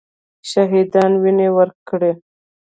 شهیدانو وینه ورکړې.